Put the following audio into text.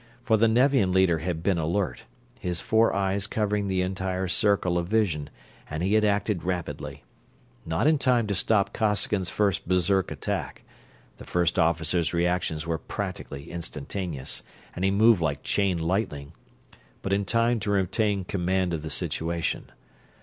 For the Nevian leader had been alert, his four eyes covering the entire circle of vision, and he had acted rapidly. Not in time to stop Costigan's first Berserk attack the First Officer's reactions were practically instantaneous, and he moved like chain lightning but in time to retain command of the situation.